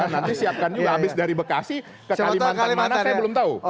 nanti siapkan juga habis dari bekasi ke kalimantan mana saya belum tahu